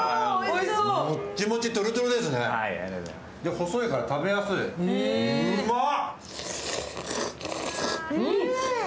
細いから食べやすいうまっ！